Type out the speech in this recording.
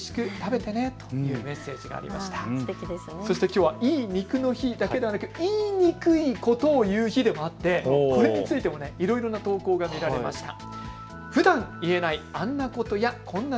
きょうはいい肉の日だけでなく言いにくいことを言う日でもあって、これについてもいろいろな投稿が見られました。